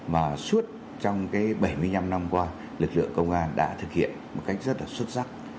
mà suốt trong cái bảy mươi năm năm qua lực lượng công an đã thực hiện một cách rất là xuất sắc